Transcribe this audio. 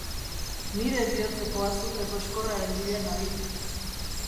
Nire bihotzeko azukre koxkorraren bila nabil.